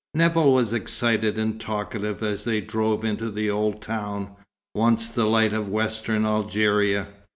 Nevill was excited and talkative as they drove into the old town, once the light of western Algeria.